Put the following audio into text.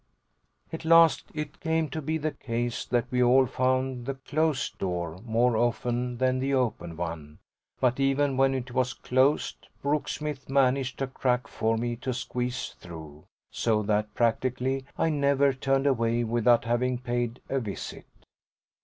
At last it came to be the case that we all found the closed door more often than the open one; but even when it was closed Brooksmith managed a crack for me to squeeze through; so that practically I never turned away without having paid a visit.